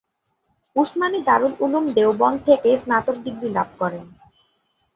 উসমানি দারুল উলুম দেওবন্দ থেকে স্নাতক ডিগ্রী লাভ করেন।